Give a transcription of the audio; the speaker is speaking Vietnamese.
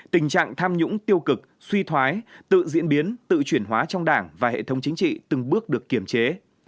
tình trạng tham nhũng tiêu cực suy thoái tự diễn biến tự chuyển hóa trong đảng và hệ thống chính trị từng bước được kiểm chế